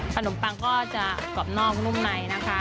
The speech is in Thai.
ขนมปังก็จะกรอบนอกนุ่มในนะคะ